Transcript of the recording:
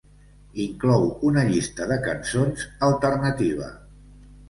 Inclou una llista de cançons alternativa.